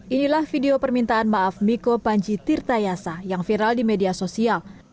inilah video permintaan maaf miko panji tirta yasa yang viral di media sosial